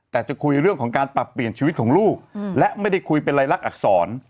แต่จะคุยเรื่องของการปรับเปลี่ยนชีวิตของลูกและไม่ได้คุยเป็นรายลักษณอักษร